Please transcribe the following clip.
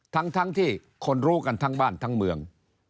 ทั้งที่คนรู้กันทั้งบ้านทั้งเมือง